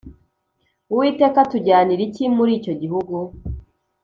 Uwiteka atujyanira iki muri icyo gihugu